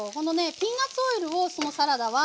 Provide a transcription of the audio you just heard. ピーナツオイルをそのサラダは。